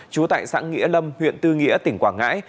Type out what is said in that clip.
trú tại xã nghĩa lâm huyện tư nghĩa tỉnh quảng ngãi